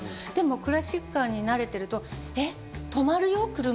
でもクラシックカーに慣れてると。